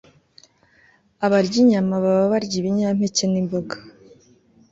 Abarya inyama baba barya ibinyampeke nimboga